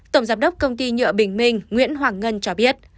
tổng giám đốc công ty nhựa bình minh nguyễn hoàng ngân cho biết